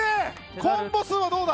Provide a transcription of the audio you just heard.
コンボ数はどうだ？